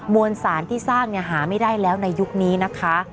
วนสารที่สร้างหาไม่ได้แล้วในยุคนี้นะคะ